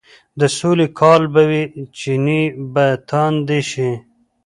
د سولې کال به وي، چينې به تاندې شي،